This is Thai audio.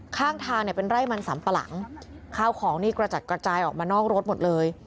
ข้างทางเนี่ยเป็นไร่มันสำปะหลังข้าวของนี่กระจัดกระจายออกมานอกรถหมดเลย